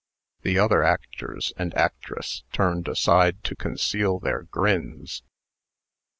The other actors and actress turned aside to conceal their grins.